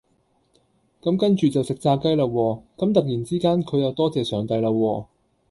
咁跟住就食炸雞啦喎，咁突然之間佢又多謝上帝啦喎